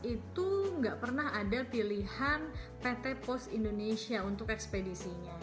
itu nggak pernah ada pilihan pt pos indonesia untuk ekspedisinya